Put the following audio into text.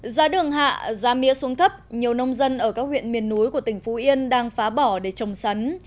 giá đường hạ giá mía xuống thấp nhiều nông dân ở các huyện miền núi của tỉnh phú yên đang phá bỏ để trồng sắn